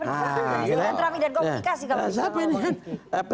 bisa dengan teramidat komunikasi